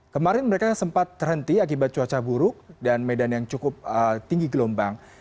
kemarin mereka sempat terhenti akibat cuaca buruk dan medan yang cukup tinggi gelombang